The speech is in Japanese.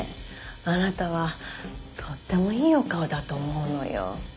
あなたはとってもいいお顔だと思うのよ。